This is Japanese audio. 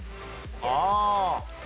ああ。